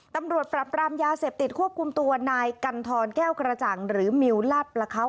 ตำรวจปรับปรามยาเสพติดควบคุมตัวนายกันทรแก้วกระจ่างหรือมิวลาดประเขา